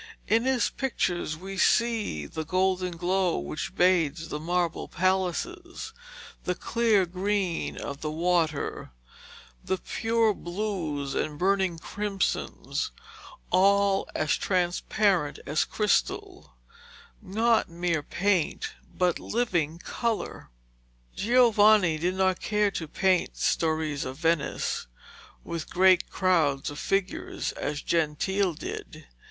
In his pictures we can see the golden glow which bathes the marble palaces, the clear green of the water, the pure blues and burning crimsons all as transparent as crystal, not mere paint but living colour. Giovanni did not care to paint stories of Venice, with great crowds of figures, as Gentile did.